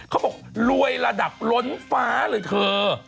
เขาบอกรวยระดับล้นฟ้าเลยเธอ